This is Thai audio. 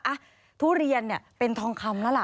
อ่ะทุเรียนเป็นทองคำแล้วล่ะ